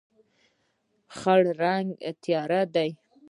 خړ رنګ تیاره دی.